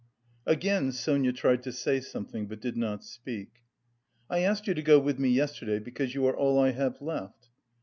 Again Sonia tried to say something, but did not speak. "I asked you to go with me yesterday because you are all I have left."